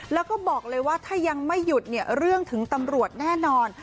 แล้วก็บอกเลยว่าถ้ายังไม่หยุดเนี่ยเรื่องถึงตำรวจแน่นอน